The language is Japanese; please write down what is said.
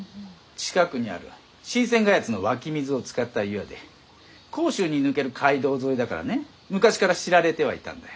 近くにある神泉谷の湧き水を使った湯屋で甲州に抜ける街道沿いだからね昔から知られてはいたんだよ。